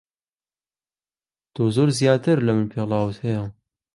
تۆ زۆر زیاتر لە من پێڵاوت ھەیە.